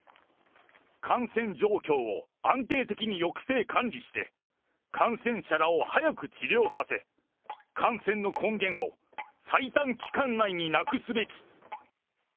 感染状況を安定的に抑制、管理して感染者らを早く治療させ、感染の根源を最短期間内になくすべき。